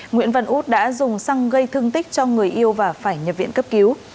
nguyễn văn út đã dùng xăng gây thương tích cho người yêu và phải nhập viện cấp cứu